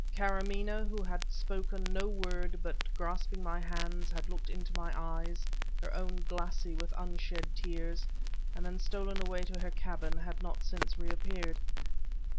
Karamaneh who had spoken no word, but, grasping my hands, had looked into my eyes her own glassy with unshed tears and then stolen away to her cabin, had not since reappeared.